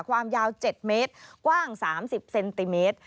ความยาว๗เมตรกว้าง๓๐เซนติเมตร